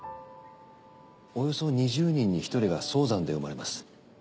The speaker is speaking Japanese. およそ２０人に１人が早産で生まれます。